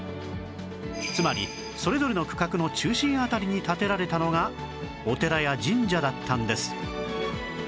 つまりそれぞれの区画の中心辺りに建てられたのがお寺や神社だったんです